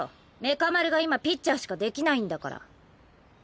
メカ丸が今ピッチャーしかできないんだから。